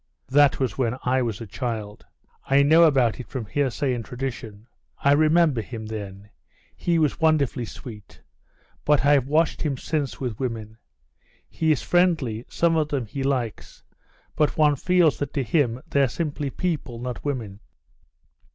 "That was when I was a child; I know about it from hearsay and tradition. I remember him then. He was wonderfully sweet. But I've watched him since with women; he is friendly, some of them he likes, but one feels that to him they're simply people, not women."